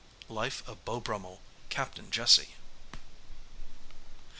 '_ 'Life of Beau Brummell,' Captain Jesse.